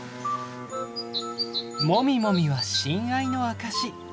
もみもみは親愛の証し。